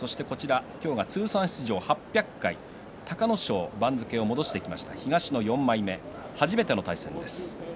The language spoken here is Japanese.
今日が通算出場８００回隆の勝、番付を戻してきました東の４枚目、初めての対戦です。